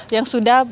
yang sudah dihentikan